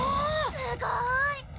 すごーい！